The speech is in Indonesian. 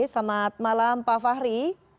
selamat malam pak fahri